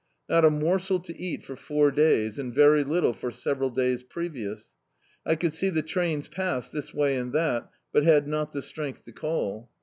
Not a morsel to eat for four days, and very little for several days previous. I could see the trains pass this way and that, but had not the strength to call.